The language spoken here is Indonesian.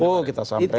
oh kita sampaikan